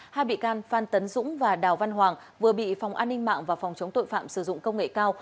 hai bị can phan tấn dũng và đào văn hoàng vừa bị phòng an ninh mạng và phòng chống tội phạm sử dụng công nghệ cao